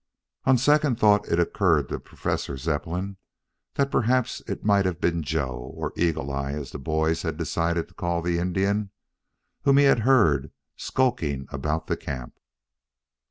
On second thought it occurred to Professor Zepplin that perhaps it might have been Joe, or Eagle eye, as the boys had decided to call the Indian, whom he had heard skulking about the camp.